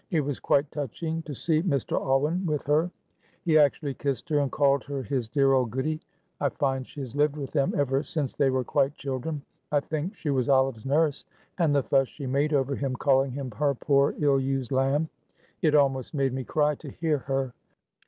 It was quite touching to see Mr. Alwyn with her. He actually kissed her and called her his dear old 'Goody.' I find she has lived with them ever since they were quite children. I think she was Olive's nurse. And the fuss she made over him, calling him her 'poor, ill used lamb.' It almost made me cry to hear her."